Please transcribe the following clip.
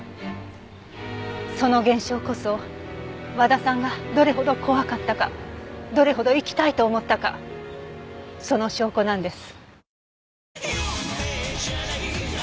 その現象こそ和田さんがどれほど怖かったかどれほど生きたいと思ったかその証拠なんです。